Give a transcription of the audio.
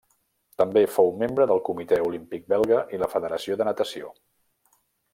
També fou membre del Comitè Olímpic belga i la federació de natació.